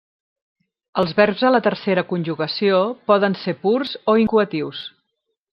Els verbs de la tercera conjugació poden ser purs o incoatius.